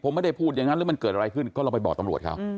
ผมไม่ได้พูดอย่างนั้นหรือมันเกิดอะไรขึ้นก็ลองไปบอกตำรวจเขา